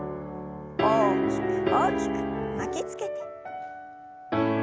大きく大きく巻きつけて。